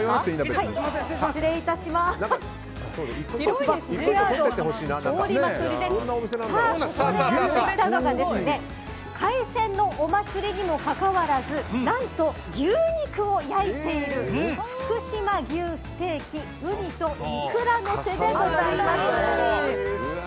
続いては海鮮のお祭りにもかかわらず何と牛肉を焼いている福島牛ステーキウニとイクラのせでございます。